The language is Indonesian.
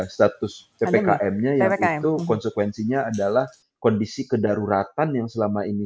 status ppkm nya yang itu konsekuensinya adalah kondisi kedaruratan yang selama ini